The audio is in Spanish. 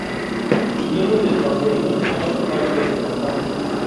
Huyeron despavoridos al otro lado del pantano.